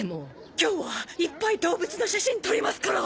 今日はいっぱい動物の写真撮りますから！